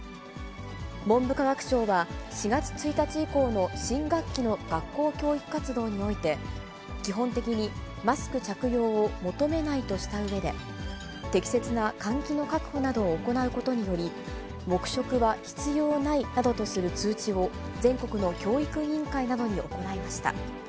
文部科学省は、４月１日以降の新学期の学校教育活動において、基本的にマスク着用を求めないとしたうえで、適切な換気の確保などを行うことにより、黙食は必要ないなどとする通知を全国の教育委員会などに行いました。